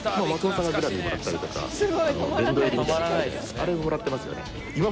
あれももらってますよね。